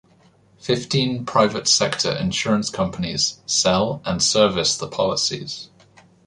Fifteen private-sector insurance companies sell and service the policies.